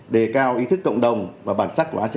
đề cao ý thức cộng đồng và bản sắc của asean